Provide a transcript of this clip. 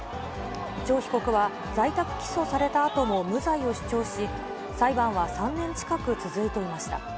チョ被告は、在宅起訴されたあとも無罪を主張し、裁判は３年近く続いていました。